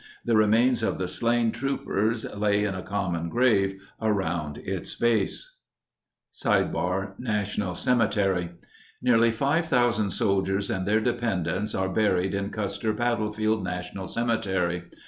The remains of the slain troopers lay in a common grave around its base. © National Cemetery Nearly 5,000 soldiers and their dependents are buried in Custer Battlefield National Cemetery.